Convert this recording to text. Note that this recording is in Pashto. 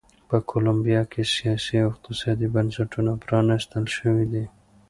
په کولمبیا کې سیاسي او اقتصادي بنسټونه پرانیست شوي دي.